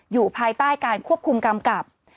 อยู่ภายใต้การควบคุมกำกับ